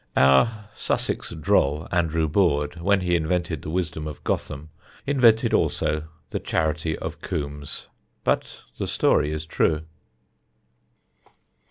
Our Sussex droll, Andrew Boorde, when he invented the wisdom of Gotham, invented also the charity of Coombs. But the story is true.